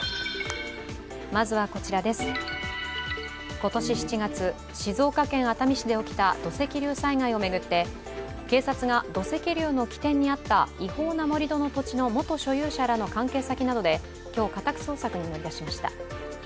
今年７月、静岡県熱海市で起きた土石流災害を巡って警察が土石流の起点にあった、違法な盛り土の土地の元所有者らの関係先などで、今日、家宅捜索に乗り出しました。